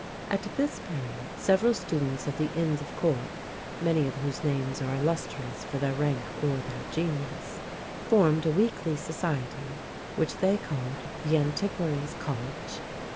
At this period several students of the Inns of Court, many of whose names are illustrious for their rank or their genius, formed a weekly society, which they called "the Antiquaries' College."